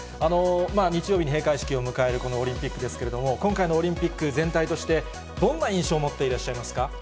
日曜日に閉会式を迎えるこのオリンピックですけれども、今回のオリンピック全体として、どんな印象を持っていらっしゃいますか。